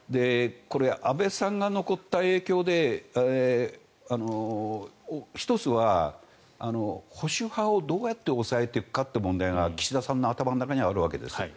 安倍さんが残した影響で１つは保守派をどうやって抑えていくかって問題が岸田さんの頭の中にあるわけです。